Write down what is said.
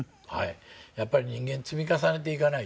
やっぱり人間積み重ねていかないと。